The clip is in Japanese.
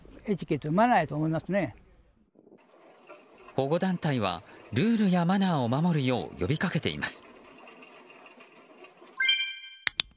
保護団体は、ルールやマナーを守るよう呼びかけています。